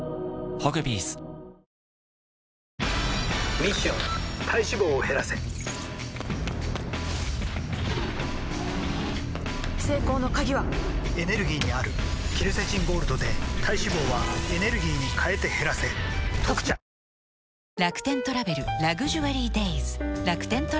ミッション体脂肪を減らせ成功の鍵はエネルギーにあるケルセチンゴールドで体脂肪はエネルギーに変えて減らせ「特茶」栄養とおいしさ両方とも追求したいあなたに。